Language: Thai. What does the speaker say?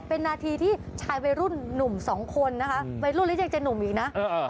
เป็นนาทีที่ชายเวรุ่นหนุ่มสองคนนะคะเวรุ่นแล้วยังจะหนุ่มอีกนะ